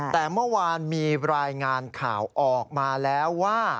แต่เมื่อวานมีรายงานข่าวออกมาแล้วว่า